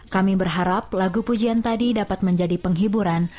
kami berharap lagu pujian tadi dapat menjadi penghiburan